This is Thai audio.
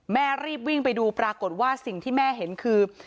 รีบวิ่งไปดูปรากฏว่าสิ่งที่แม่เห็นคือ